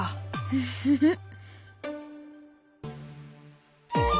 フフフッ。